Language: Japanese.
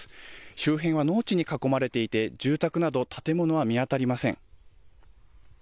周辺は農地に囲まれていて、住宅など建物は見当たりません。